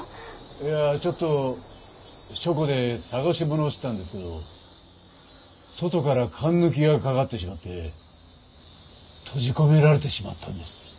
いやちょっと書庫で捜し物をしてたんですけど外からかんぬきがかかってしまって閉じ込められてしまったんです。